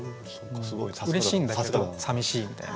うれしいんだけどさみしいみたいな。